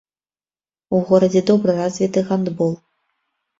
У горадзе добра развіты гандбол.